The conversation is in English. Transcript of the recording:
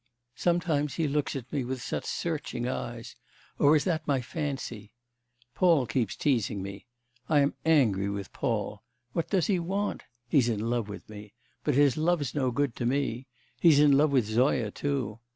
Sometimes he looks at me with such searching eyes or is that my fancy? Paul keeps teasing me. I am angry with Paul. What does he want? He's in love with me... but his love's no good to me. He's in love with Zoya too.